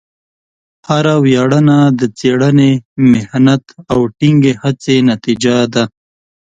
هره ویاړنه د څېړنې، محنت، او ټینګې هڅې نتیجه ده.